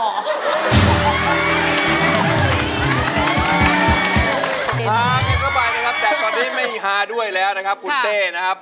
ค่ะพี่ก็ไปนะครับแต่ตอนนี้ไม่หิงฮาด้วยแล้วนะครับคุณเต้นะครับ